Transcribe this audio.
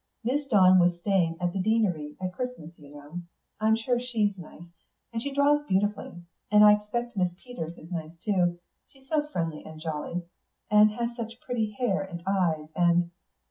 "Miss Dawn was staying at the Deanery at Christmas, you know. I'm sure she's nice, and she draws beautifully. And I expect Miss Peters is nice too; she's so friendly and jolly, and has such pretty hair and eyes. And...."